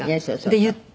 「で言って。